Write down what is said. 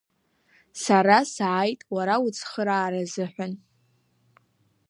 Сара сааит уара уцхыраара азыҳәан.